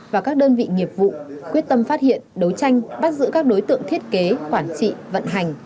và các đơn vị nghiệp vụ quyết tâm phát hiện đấu tranh bắt giữ các đối tượng thiết kế quản trị vận hành